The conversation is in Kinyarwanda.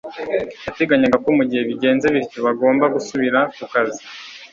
yateganyaga ko mu gihe bigenze bityo, bagombaga gusubira ku kazi